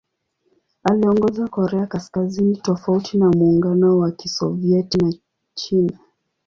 Aliongoza Korea Kaskazini tofauti na Muungano wa Kisovyeti na China.